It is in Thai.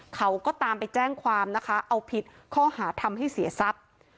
เขาก็ตามไปแจ้งความนะคะเอาผิดข้อหาทำให้เสียทรัพย์